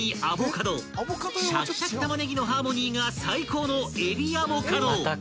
［シャキシャキ玉ねぎのハーモニーが最高のえびアボカド］